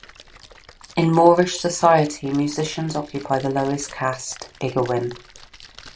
In Moorish society musicians occupy the lowest caste, iggawin.